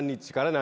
何？